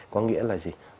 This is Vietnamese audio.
có nghĩa là gì